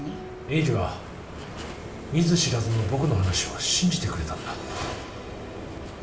栄治は見ず知らずの僕の話を信じてくれたんだ。